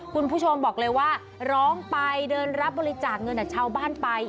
คุณผู้ชมบอกเลยว่าร้องไปเดินรับบริจาคเงินจากชาวบ้านไป